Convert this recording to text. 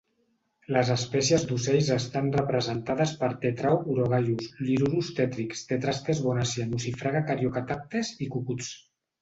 Les espècies d'ocells estan representades per Tetrao urogallus, Lyrurus tetrix, Tetrastes bonasia, Nucifraga Caryocatactes i cucuts.